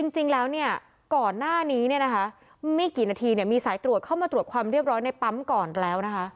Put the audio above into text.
จริงแล้วเนี่ยก่อนหน้านี้ไม่กี่นาทีมีสายตรวจเข้ามาตรวจความเรียบร้อยในปั๊มก่อนแล้วนะคะ